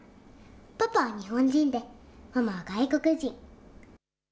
パパは日本人で、ママは外国人。